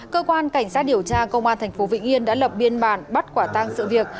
cơ quan cảnh sát điều tra công an tp vĩnh yên đã lập biên bản bắt quả tang sự việc